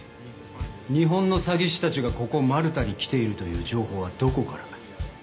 日本の詐欺師たちがここマルタに来ているという情報はどこから？